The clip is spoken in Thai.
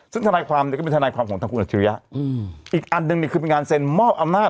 ซึ่งทนายความเนี่ยก็เป็นทนายความของทางคุณอัจฉริยะอีกอันหนึ่งเนี่ยคือเป็นการเซ็นมอบอำนาจ